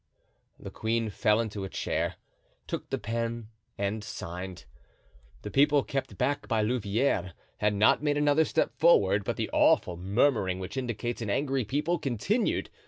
The queen fell into a chair, took the pen and signed. The people, kept back by Louvieres, had not made another step forward; but the awful murmuring, which indicates an angry people, continued.